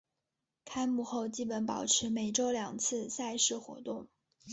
开幕后基本保持每周两次赛事活动。